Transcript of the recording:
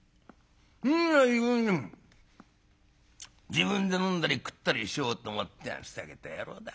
自分で飲んだり食ったりしようと思ってふざけた野郎だ」。